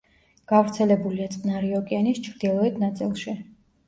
გავრცელებულია წყნარი ოკეანის ჩრდილოეთ ნაწილში.